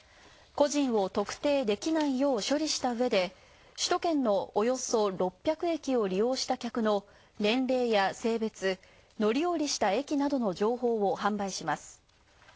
個人を特定できないよう処理したうえで首都圏のおよそ６００駅を利用した客の年齢や性別、乗り降りした駅などの情報を販売します。